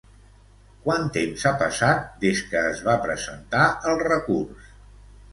Quant temps ha passat des que es va presentar el recurs?